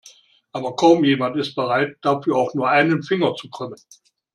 Aber kaum jemand ist bereit, dafür auch nur einen Finger zu krümmen.